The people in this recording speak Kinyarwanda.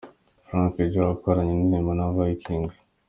Frank Joe wakoranye indirimbo na Vickings.